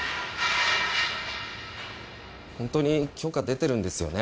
本当に許可出てるんですよね？